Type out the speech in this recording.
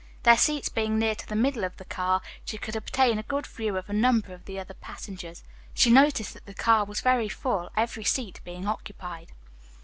Their seats being near to the middle of the car, she could obtain a good view of a number of the other passengers. She noticed that the car was very full, every seat being occupied.